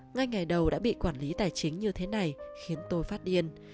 ngay ngày đầu đã bị quản lý tài chính như thế này khiến tôi phát điên